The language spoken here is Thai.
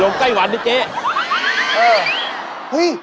ลงใกล้วันอ่ะเจ๊